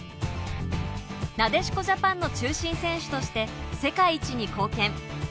なでしこジャパンの中心選手として、世界一に貢献。